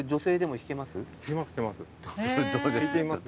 引いてみます？